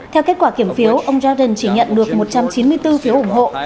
theo kết quả kiểm phiếu ông jordan chỉ nhận được một trăm chín mươi bốn phiếu ủng hộ